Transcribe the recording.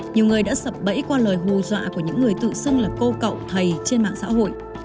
nhiều người đã sập bẫy qua lời hù dọa của những người tự xưng là cô cậu thầy trên mạng xã hội